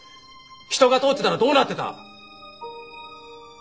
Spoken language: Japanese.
人が通ってたらどうなってた？